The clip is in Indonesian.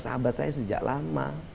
sahabat saya sejak lama